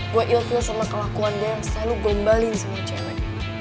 gue ill feel sama kelakuan dia yang selalu gue embalin sama cewek